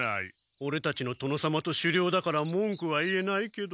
オレたちの殿様と首領だからもんくは言えないけど。